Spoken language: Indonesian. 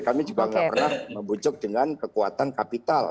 kami juga nggak pernah membujuk dengan kekuatan kapital